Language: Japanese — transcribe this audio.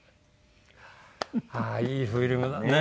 ああいいフィルムだね。